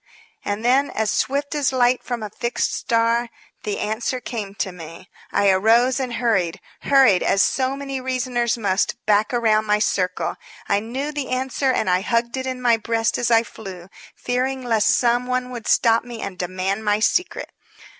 And then, as swift as light from a fixed star, the answer came to me. I arose and hurried hurried as so many reasoners must, back around my circle. I knew the answer and I hugged it in my breast as I flew, fearing lest some one would stop me and demand my secret.